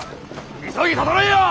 急ぎ整えよ！